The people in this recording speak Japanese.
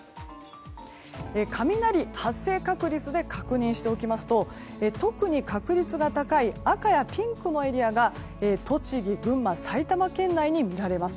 雷発生確率で確認しておきますと特に確率が高い赤やピンクのエリアが栃木、群馬、埼玉県内に見られます。